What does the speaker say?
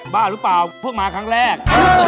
บ้าหรือเปล่าเพิ่งมาครั้งแรก